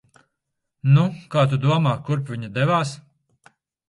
Nu, kā tu domā, kurp viņa devās?